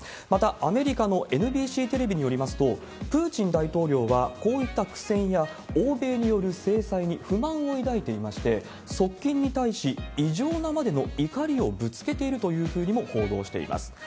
また、アメリカのＮＢＣテレビによりますと、プーチン大統領は、こういった苦戦や欧米による制裁に不満を抱いていまして、側近に対し、異常なまでの怒りをぶつけているというふうにも報道しています。